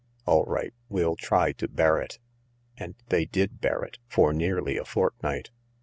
" All right, we'll try to bear it." And they did bear it— for nearly a fortnight.